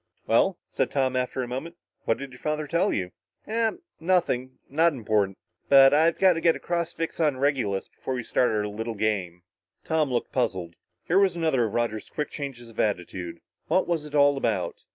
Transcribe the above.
"Well," said Tom after a moment, "what did your father tell you?" "Ah nothing not important. But I've got to get a cross fix on Regulus before we start our little games." Tom looked puzzled. Here was another of Roger's quick changes of attitude. What was it all about?